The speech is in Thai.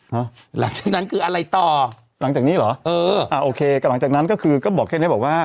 หลังจากนั้นคืออะไรต่อหลังจากนี้เหรอเอออ่าโอเคก็หลังจากนั้นก็คือก็บอกแค่เนี้ยบอกว่า